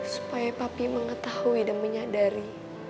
supaya papi mengetahui dan menyadari